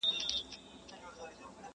تر مابین مو دي په وېش کي عدالت وي،